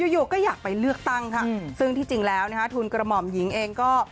อยู่ก็อยากไปเลือกตั้งค่ะซึ่งที่จริงแล้วนะคะทุนกระหม่อมหญิงเองก็